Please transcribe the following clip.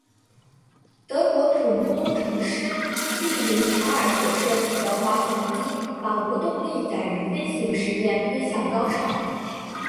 德国土木工程师利林塔尔所设计的滑翔机把无动力载人飞行试验推向高潮。